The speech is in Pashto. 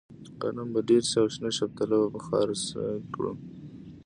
غنم به ډېر شي او شنه شفتله به خرڅه کړو.